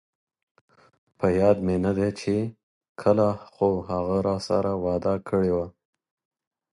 په ياد مې ندي چې کله، خو هغه راسره وعده کړي وه